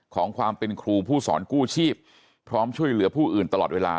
ของความเป็นครูผู้สอนกู้ชีพพร้อมช่วยเหลือผู้อื่นตลอดเวลา